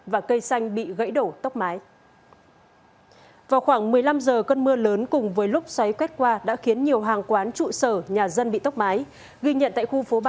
và chúng tôi sẽ tiếp tục phong báo